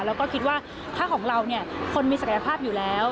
แล้วก็คิดว่าถ้าของเราเนี่ยคนมีศักยภาพอยู่แล้ว